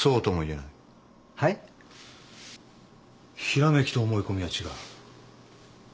ひらめきと思い込みは違う。